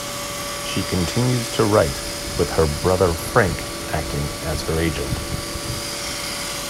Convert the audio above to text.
She continues to write, with her brother Frank acting as her agent.